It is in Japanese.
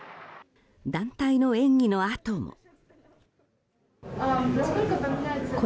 団体の演技のあとも。